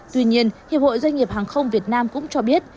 tuy nhiên hiệp hội doanh nghiệp hàng không việt nam cũng cho biết